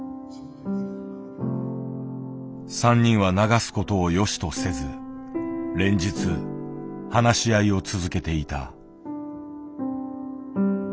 ３人は流すことをよしとせず連日話し合いを続けていた。